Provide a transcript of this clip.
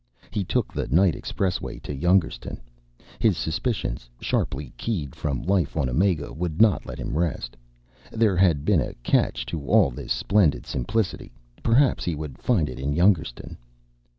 He took the night expressway to Youngerstun. His suspicions, sharply keyed from life on Omega, would not let him rest. There had to be a catch to all this splendid simplicity. Perhaps he would find it in Youngerstun.